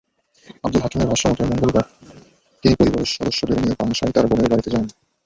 আবদুল হাকিমের ভাষ্যমতে, মঙ্গলবার তিনি পরিবারের সদস্যদের নিয়ে পাংশায় তাঁর বোনের বাড়িতে যান।